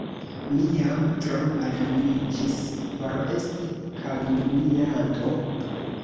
mi jam tro maljuniĝis por esti kalumnianto!